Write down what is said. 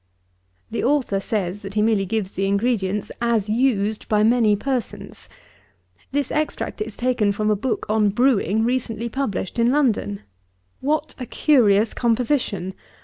The author says, that he merely gives the ingredients, as used by many persons. 72. This extract is taken from a book on brewing, recently published in London. What a curious composition!